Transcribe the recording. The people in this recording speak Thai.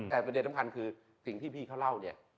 แต่ประเด็นสำคัญคือสิ่งที่พี่เขาเล่าเนี่ย